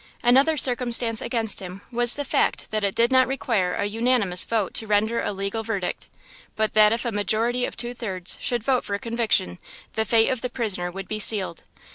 Another circumstance against him was the fact that it did not require an unanimous vote to render a legal verdict, but that if a majority of two thirds should vote for conviction, the fate of the prisoner would be sealed.